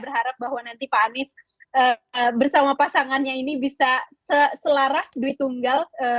berharap bahwa nanti pak anies bersama pasangannya ini bisa selaras duit tunggal